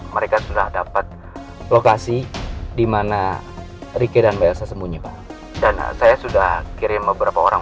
mereka sudah dapat lokasi dimana riki dan elsa sembunyi dan saya sudah kirim beberapa orang